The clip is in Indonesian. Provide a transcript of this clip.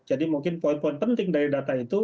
jadi mungkin poin poin penting dari data itu